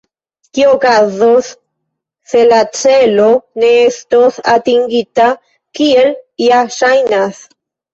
Kio okazos, se la celo ne estos atingita, kiel ja ŝajnas?